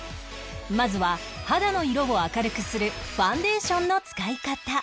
まずは肌の色を明るくするファンデーションの使い方